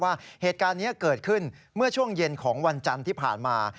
ว่าเหตุการณ์นี้เกิดขึ้นเมื่อช่วงเย็นของวันจันทร์ที่ผ่านมา